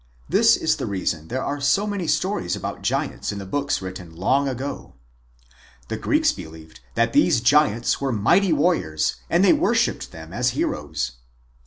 This is the reason there are so many stories about giants in the books written long ago. The Greeks believed that these giants were mighty warriors, and they worshiped them as heroes.